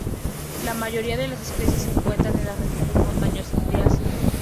La mayoría de las especies se encuentran en las regiones montañosas de Asia.